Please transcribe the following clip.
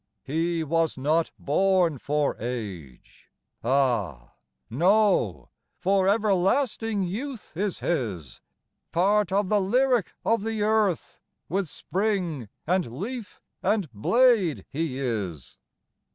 He "was not born for age." Ah no, For everlasting youth is his! Part of the lyric of the earth With spring and leaf and blade he is.